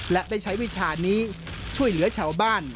และได้ใช้วิชานี้ช่วยเหลือชาวบ้าน